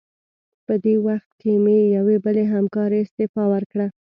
په دې وخت کې مې یوې بلې همکارې استعفا ورکړه.